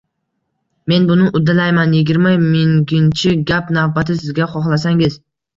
Men buni uddalayman, yigirma minginchi gap navbati sizga xohlasangiz